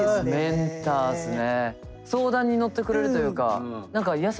メンターっすね。